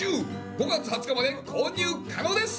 ５月２０日まで購入可能です！